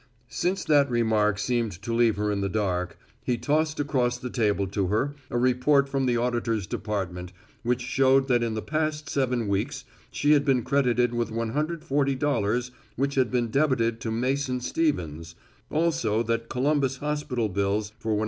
Since that remark seemed to leave her in the dark, he tossed across his table to her a report from the auditor's department which showed that in the past seven weeks she had been credited with $140 which had been debited to Mason Stevens, also that Columbus Hospital bills for $129.